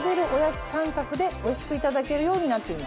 でおいしくいただけるようになっています。